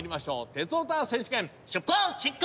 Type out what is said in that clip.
「鉄オタ選手権」出発進行！